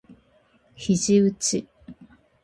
肘うち